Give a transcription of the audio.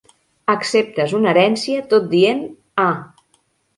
Acceptes una herència tot dient: ah!